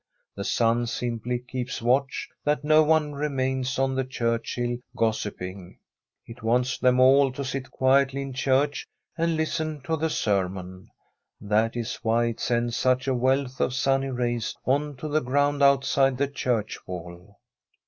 The sun simply keeps watch that no one remains on the church hill gossiping. It wants them all to sit quietly in church and listen to the sermon — ^that is why it sends such a wealth of sunny rays on to the ground outside the church wall.